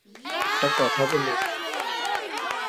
একটা কথা বলি?